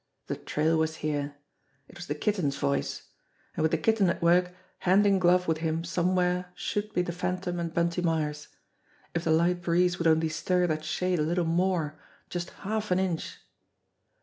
The trail was here ! It was the Kitten's voice and with the Kitten at work, hand in glove with him somewhere should be the Phantom and Bunty Myers. If the light breeze would only stir that shade a little more just half an inch!